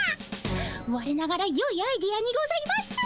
われながらよいアイデアにございます。